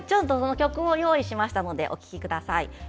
その曲を用意しましたのでお聴きください。